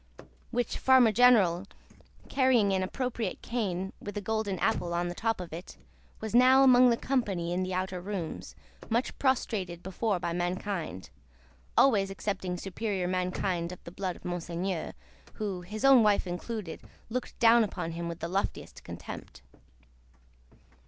Which Farmer General, carrying an appropriate cane with a golden apple on the top of it, was now among the company in the outer rooms, much prostrated before by mankind always excepting superior mankind of the blood of Monseigneur, who, his own wife included, looked down upon him with the loftiest contempt.